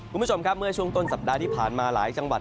คุณผู้ชมครับเมื่อช่วงต้นสัปดาห์ที่ผ่านมาหลายจังหวัด